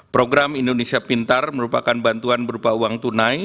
program indonesia pintar merupakan bantuan berupa uang tunai